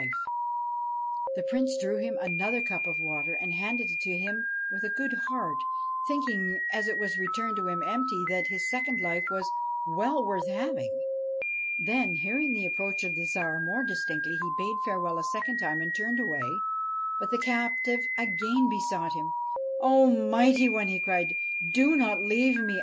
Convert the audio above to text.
107 BASHTCHELIK The Prince drew him another cup of water and handed it to him with a good heart, thinking, as it was returned to him empty, that a second life was well worth having. Then, hearing the approach of the Tsar more distinctly, he bade farewell a second time and turned away; but the captive again besought him. ' O mighty one 1 he cried ;' do not leave me.